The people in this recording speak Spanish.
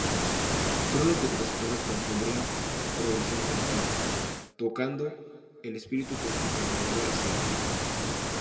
Trueno que transcurre con sombría progresión penetrante, tocando el espíritu con su conmovedor acento.